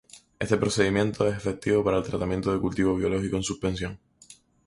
Este procedimiento es efectivo para el tratamiento de cultivo biológico en suspensión.